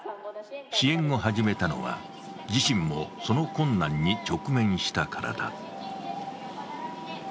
支援を始めたのは自身もその困難に直面したからだ。